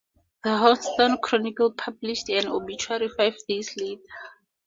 The "Houston Chronicle" published an obituary five days later.